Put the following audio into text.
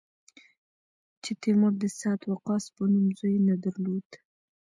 چې تیمور د سعد وقاص په نوم زوی نه درلود.